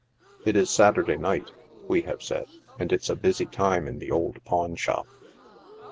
It is Saturday night, we have said, and ics a busy time in the old pawn shop.